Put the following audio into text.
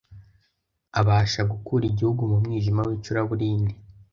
abasha gukura igihugu mu mwijima w’icuraburindi,